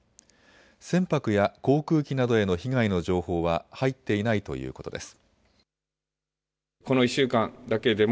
船舶や航空機などへの被害の情報は入っていないということです。